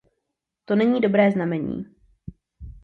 To není dobré znamení.